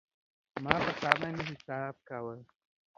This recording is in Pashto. ما په تا باندی حساب کاوه